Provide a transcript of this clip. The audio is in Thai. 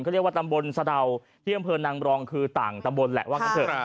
เรียกว่าตำบลสะดาวที่อำเภอนางบรองคือต่างตำบลแหละว่ากันเถอะ